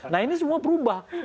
nah ini semua berubah